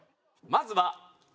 まずはＡ。